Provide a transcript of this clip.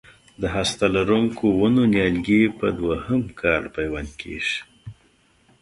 د هسته لرونکو ونو نیالګي په دوه یم کال پیوند کېږي.